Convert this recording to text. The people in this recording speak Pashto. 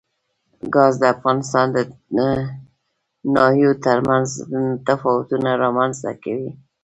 ګاز د افغانستان د ناحیو ترمنځ تفاوتونه رامنځ ته کوي.